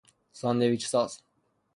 ساندویچساز